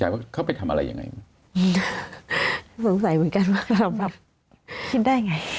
แล้วทำไมลุงนัดเขา